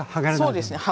そうですね。